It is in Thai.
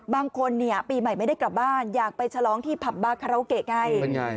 บางคนเนี่ยปีใหม่ไม่ได้กลับบ้านอยากไปฉลองที่ผับบาคาราโอเกะไง